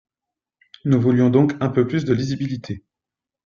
Nous voulions donc un peu plus de lisibilité.